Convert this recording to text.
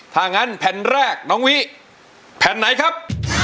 ถ้างั้นแผ่นแรกน้องวิแผ่นไหนครับ